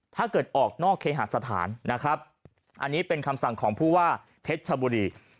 ถ้าเกิดออกนอกเคหาสถานนะครับอันนี้เป็นคำสั่งของผู้ว่าเพชรชบุรี